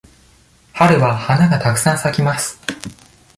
春は花がたくさん咲きます。